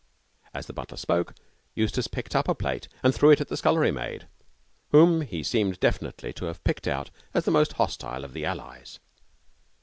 As the butler spoke, Eustace picked up a plate and threw it at the scullery maid, whom he seemed definitely to have picked out as the most hostile of the allies.